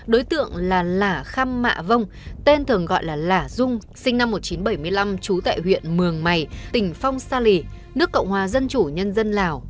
đối tượng là lả khăm mạ vông tên thường gọi là lả dung sinh năm một nghìn chín trăm bảy mươi năm trú tại huyện mường mày tỉnh phong sa lì nước cộng hòa dân chủ nhân dân lào